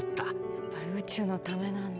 やっぱり宇宙のためなんだ。